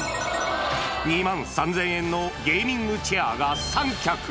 ２万３０００円のゲーミングチェアが３脚。